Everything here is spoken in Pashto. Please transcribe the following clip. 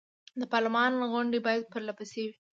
د پارلمان غونډې باید پر له پسې وي.